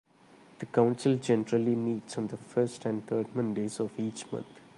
The council generally meets on the first and third Mondays of each month.